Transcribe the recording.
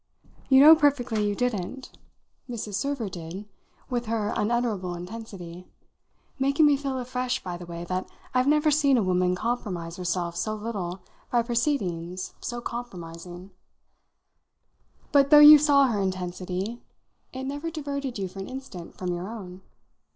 "You know perfectly you didn't. Mrs. Server did with her unutterable intensity; making me feel afresh, by the way, that I've never seen a woman compromise herself so little by proceedings so compromising. But though you saw her intensity, it never diverted you for an instant from your own."